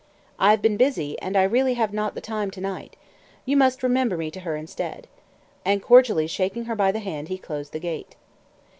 "I have been busy; and I really have not the time to night. You must remember me to her instead." And cordially shaking her by the hand, he closed the gate.